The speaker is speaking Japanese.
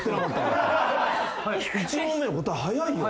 １問目の答え早いよ。